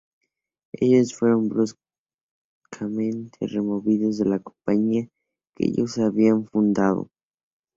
Ellos fueron bruscamente removidos de la compañía que ellos habían fundado.